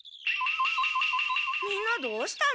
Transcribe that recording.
みんなどうしたの？